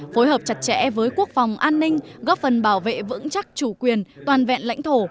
phối hợp chặt chẽ với quốc phòng an ninh góp phần bảo vệ vững chắc chủ quyền toàn vẹn lãnh thổ